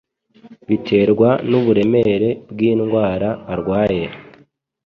biterwa n'uburemere bw'indwara urwaye